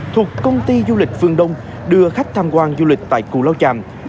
thuộc công ty du lịch phương đông đưa khách tham quan du lịch tại củ lâu chàm